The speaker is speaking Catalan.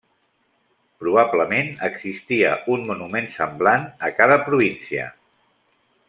Probablement existia un monument semblant a cada província.